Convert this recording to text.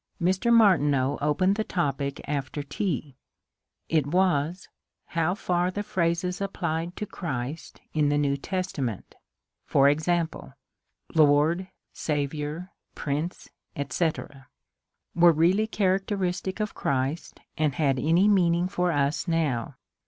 Mr. Martineau opened the topic after tea: it was, how far the phrases applied to Christ in the New Testament — e.g.. Lord, Saviour, Prince, etc. — were really characteristic of Christ, and had any meaning for us now.